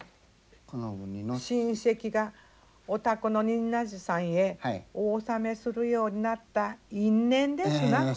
親戚がお宅の仁和寺さんへお納めするようになった因縁ですなこれ。